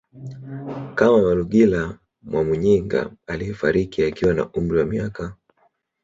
kama Malugila Mwamuyinga aliyefariki akiwa na umri wa miaka